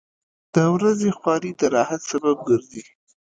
• د ورځې خواري د راحت سبب ګرځي.